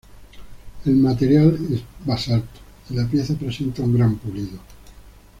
El material es basalto, y la pieza presenta un gran pulido.